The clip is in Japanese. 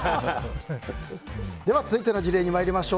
続いての事例に参りましょう。